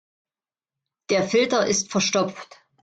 Der Filter ist verstopft.